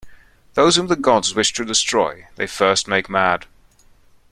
Those whom the gods wish to destroy, they first make mad.